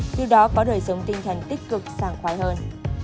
từ đó có đời sống tinh thần tích cực sàng khoái hơn